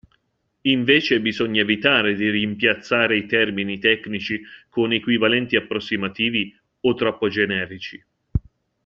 Invece bisogna evitare di rimpiazzare i termini tecnici con equivalenti approssimativi o troppo generici.